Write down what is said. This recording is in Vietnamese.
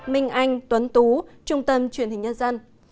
minh anh tuấn tú trung tâm truyền hình nhân dân